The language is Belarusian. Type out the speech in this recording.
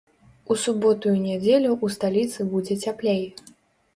У суботу і нядзелю ў сталіцы будзе цяплей.